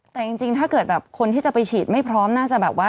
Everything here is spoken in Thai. แต่จริงถ้าเกิดแบบคนที่จะไปฉีดไม่พร้อมน่าจะแบบว่า